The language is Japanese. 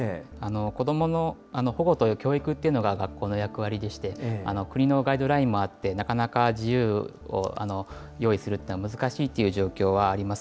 子どもの保護と教育というのが、学校の役割でして、国のガイドラインもあって、なかなか自由を用意するというのは、難しいという状況はあります。